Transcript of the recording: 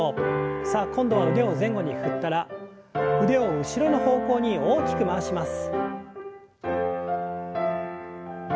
さあ今度は腕を前後に振ったら腕を後ろの方向に大きく回します。